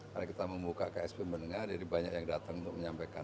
karena kita membuka ksp mendengar jadi banyak yang datang untuk menyampaikan